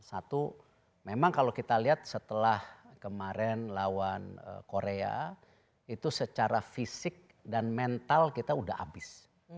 satu memang kalau kita lihat setelah kemarin lawan korea itu secara fisik dan mental kita sudah habis